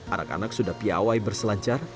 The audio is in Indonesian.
anak anak sudah piawai berselancar